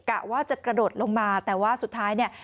กะว่าจะกระโดดลงมาแต่ว่าสุดท้ายเนี่ย